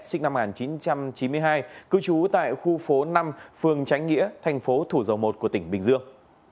sinh năm một nghìn chín trăm chín mươi hai cư trú tại khu phố năm phường tránh nghĩa thành phố thủ dầu một của tỉnh bình dương